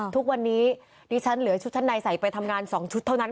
ทุกวันนี้ดิฉันเหลือชุดชั้นในใส่ไปทำงาน๒ชุดเท่านั้น